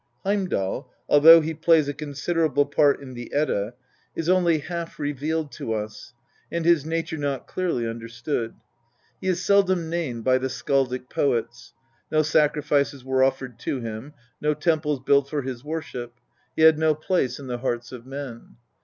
Heimdal, although he plays a considerable part in the Jidda, is only half revealed to us, ana his nature not clearly understood. He is seldom named by the skaldic poets; no sacrifices were offered to him, no temples built for his worship, he had no place in the hearts oi men.